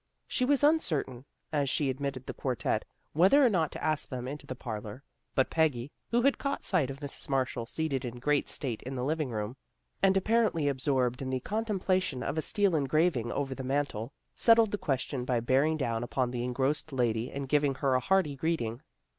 She was uncertain, as she ad mitted the quartet, whether or not to ask them into the parlor, but Peggy, who had caught sight of Mrs. Marshall seated in great state in the living room, and apparently absorbed in the contemplation of a steel engraving over the mantel, settled the question by bearing down upon the engrossed lady and giving her a hearty greeting.